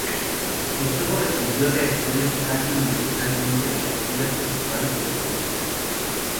El juego recibió reacciones casi universalmente negativas de los fans y los críticos.